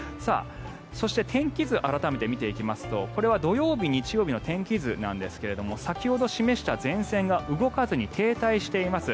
そして天気図改めて見ていきますとこれは土曜日、日曜日の天気図なんですが先ほど示した前線が動かずに停滞しています。